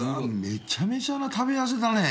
めちゃめちゃな食べ合わせだね。